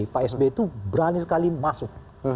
pak s b itu berani sekali masuk